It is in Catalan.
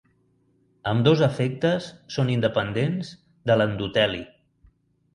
Ambdós efectes són independents de l'endoteli.